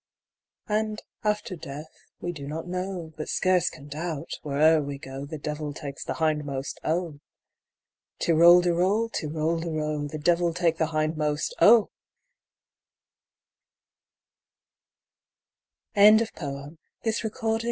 And after death, we do not know, But scarce can doubt, where'er we go, The devil takes the hindmost, ! Ti rol de rol, ti rol de ro, The devil take the hindmost, O I THE LATEST DECALOGUE.